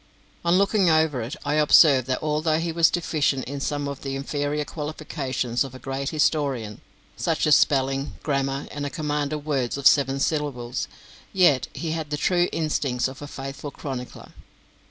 On looking over it I observed that, although he was deficient in some of the inferior qualifications of a great historian, such as spelling, grammar, and a command of words of seven syllables, yet he had the true instincts of a faithful chronicler.